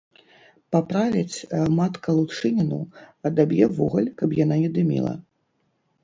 Паправіць матка лучыніну, адаб'е вугаль, каб яна не дыміла.